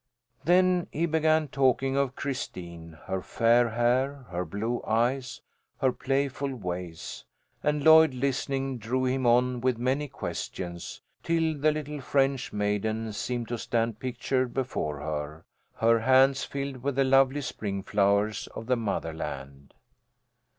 Then he began talking of Christine, her fair hair, her blue eyes, her playful ways; and Lloyd, listening, drew him on with many questions, till the little French maiden seemed to stand pictured before her, her hands filled with the lovely spring flowers of the motherland.